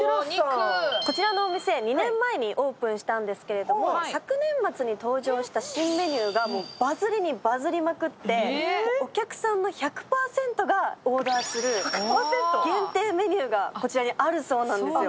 こちらのお店、２年前にオープンしたんですけど昨年末に登場した新メニューがバズりにバズりまくってお客さんの１００％がオーダーする限定メニューがこちらにあるそうなんですよ。